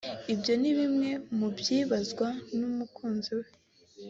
Ibyo ni bimwe mu byibazwa n'abakunzi be